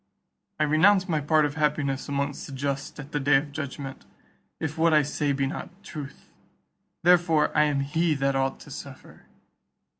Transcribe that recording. I renounce my part of happiness amongst the just at the day of judgment, if what I say be not truth; therefore I am he that ought to suffer."